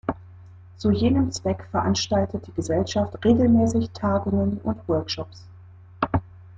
Zu jenem Zweck veranstaltet die Gesellschaft regelmäßig Tagungen und Workshops.